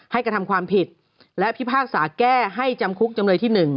กระทำความผิดและพิพากษาแก้ให้จำคุกจำเลยที่๑